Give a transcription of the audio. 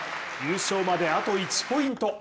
優勝まであと１ポイント。